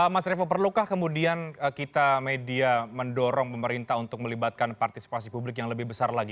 mas revo perlukah kemudian kita media mendorong pemerintah untuk melibatkan partisipasi publik yang lebih besar lagi